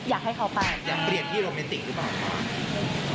อยากเปลี่ยนที่โรแมนติกหรือเปล่าคะ